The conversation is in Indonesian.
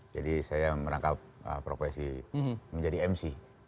jadi saya merangkap profesi menjadi mc